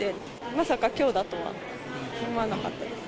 まさかきょうだとは思わなかったです。